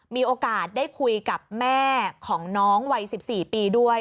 มีโอกาสได้คุยกับแม่ของน้องวัย๑๔ปีด้วย